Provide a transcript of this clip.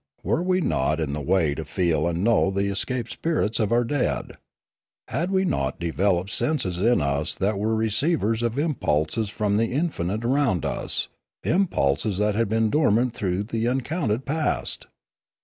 Were we not in the way to feel and know the escaped spirits of our dead ? Had we not developed senses in us that were receivers of impulses from the infinite around us, impulses that had been dormant through the uncounted past